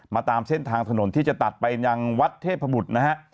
ตามเส้นทางถนนที่จะตัดไปยังวัดเทพบุตรนะฮะ